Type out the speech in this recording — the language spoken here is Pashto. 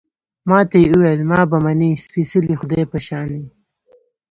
ما ته يې ویل، ما به منې، سپېڅلي خدای په شانې